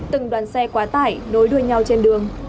từng đoàn xe quá tải nối đuôi nhau trên đường